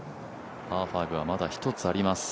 パー５はまだ１つあります。